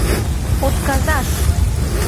— Отказаш!